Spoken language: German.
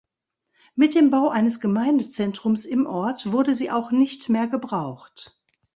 Mit dem Bau eines Gemeindezentrums im Ort wurde sie auch nicht mehr gebraucht.